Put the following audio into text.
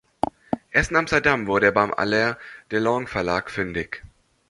Erst in Amsterdam wurde er beim Allert de Lange Verlag fündig.